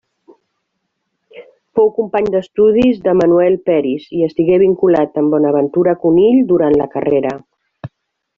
Fou company d'estudis de Manuel Peris i estigué vinculat amb Bonaventura Conill durant la carrera.